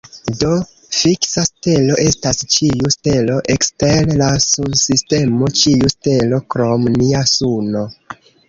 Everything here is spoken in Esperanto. Do, fiksa stelo estas ĉiu stelo ekster la sunsistemo, ĉiu stelo krom nia suno.